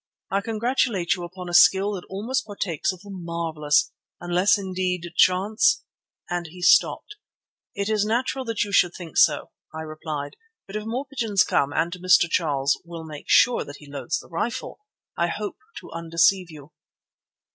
I congratulate you upon a skill that almost partakes of the marvellous, unless, indeed, chance——" And he stopped. "It is natural that you should think so," I replied; "but if more pigeons come, and Mr. Charles will make sure that he loads the rifle, I hope to undeceive you."